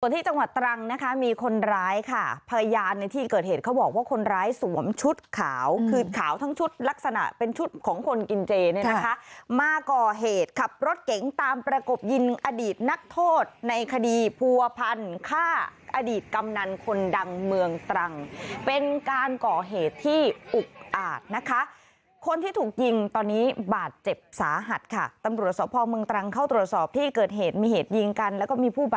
ตรงที่จังหวัดตรังนะคะมีคนร้ายค่ะพยานในที่เกิดเหตุเขาบอกว่าคนร้ายสวมชุดขาวคือขาวทั้งชุดลักษณะเป็นชุดของคนกินเจนี่นะคะมาก่อเหตุขับรถเก๋งตามประกบยินอดีตนักโทษในคดีภูวพรรณฆ่าอดีตกำนันคนดังเมืองตรังเป็นการก่อเหตุที่อุกอาดนะคะคนที่ถูกยิงตอนนี้บาดเจ็บสาหัสค่ะตำรว